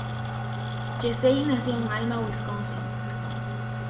Gesell nació en Alma, Wisconsin.